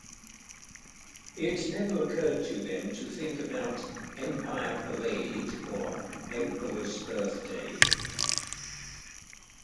It never occurred to them to think about "Empire Parade" or "Emperor's Birthday".